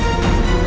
aku sudah menang